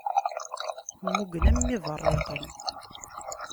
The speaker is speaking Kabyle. Mmugen am yiberriqen.